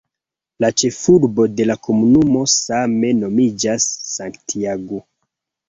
La ĉefurbo de la komunumo same nomiĝas "Santiago".